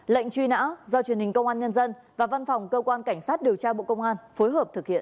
lệnh truy nã do truyền hình công an nhân dân và văn phòng cơ quan cảnh sát điều tra bộ công an phối hợp thực hiện